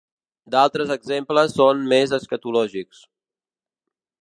D'altres exemples són més escatològics.